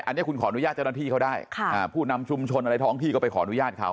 อันนี้คุณขออนุญาตเจ้าหน้าที่เขาได้ผู้นำชุมชนอะไรท้องที่ก็ไปขออนุญาตเขา